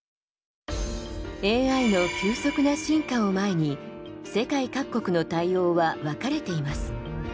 ＡＩの急速な進化を前に世界各国の対応は分かれています。